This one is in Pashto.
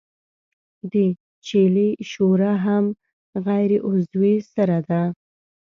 د چیلې شوره هم غیر عضوي سره ده.